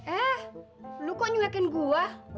eh lu kok nyuekin gua